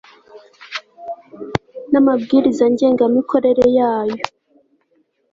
n amabwiriza ngengamikorere yayo